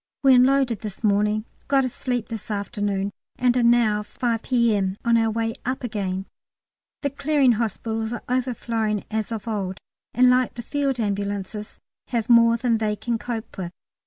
We unloaded this morning, got a sleep this afternoon, and are now, 5 P.M., on our way up again. The Clearing Hospitals are overflowing as of old, and like the Field Ambulances have more than they can cope with.